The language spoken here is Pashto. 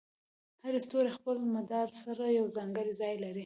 هر ستوری د خپل مدار سره یو ځانګړی ځای لري.